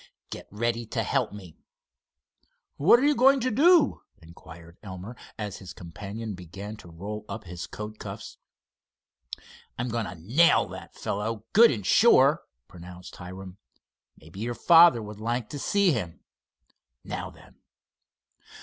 "Get ready to help me." "What are you going to do?" inquired Elmer, as his companion began to roll up his coat cuffs. "I'm going to nail that fellow, good and sure," pronounced Hiram. "Maybe your father would like to see him. Now then!"